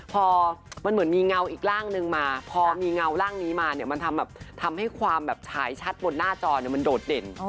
พอมันเหมือนมีเงาอีกร่างนึงมาพอมีเงาร่างนี้มาเนี่ยมันทำให้ความแบบฉายชัดบนหน้าจอเนี่ยมันโดดเด่น